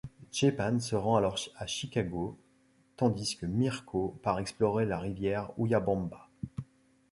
Stjepan se rend alors à Chicago tandis que Mirko part explorer la rivière Huyabamba.